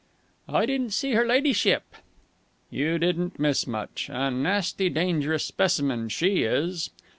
"I didn't see her ladyship." "You didn't miss much! A nasty, dangerous specimen, she is!